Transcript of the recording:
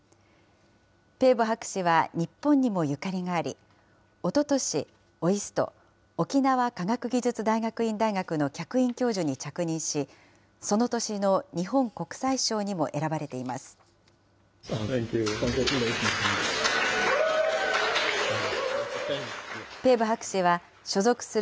ペーボ博士は日本にもゆかりがあり、おととし、ＯＩＳＴ・沖縄科学技術大学院大学の客員教授に着任し、その年の日本国際賞にも選ばれています。